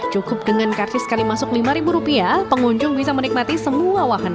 cukup dengan karcis sekali masuk lima rupiah pengunjung bisa menikmati semua wahana